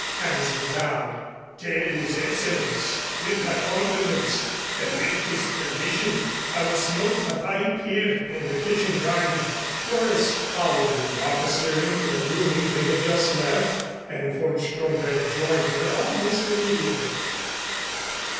Hammersley bowed. "Tell his Excellenz with my compliments that with his permission I will smoke my pipe here in the kitchen garden." Doris followed the officer into the room they had just left and von Stromberg joined her almost immediately.